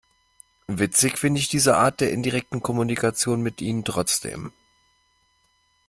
Witzig finde ich diese Art der indirekten Kommunikation mit Ihnen trotzdem!